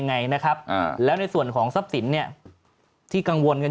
ไงนะครับแล้วในส่วนของทรัพย์ศิลป์สินทร์นี้ที่กังวลกัน